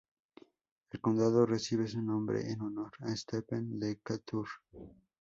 El condado recibe su nombre en honor a Stephen Decatur.